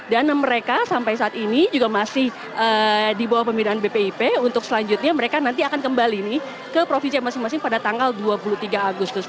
dan mereka sampai saat ini juga masih di bawah pemindahan bpip untuk selanjutnya mereka nanti akan kembali nih ke provinsi masing masing pada tanggal dua puluh tiga agustus